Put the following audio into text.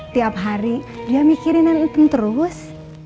tiap hari dia mikirin dan ngitung terus